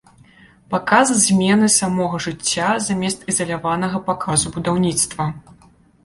Паказ змены самога жыцця замест ізаляванага паказу будаўніцтва.